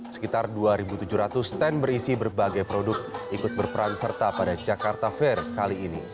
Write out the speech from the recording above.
sekitar dua tujuh ratus stand berisi berbagai produk ikut berperan serta pada jakarta fair kali ini